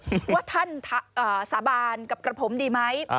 ว่าท่านสาบานกับกระผมดีไหม